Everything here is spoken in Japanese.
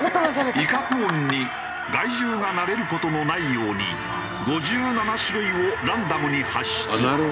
威嚇音に害獣が慣れる事のないように５７種類をランダムに発出。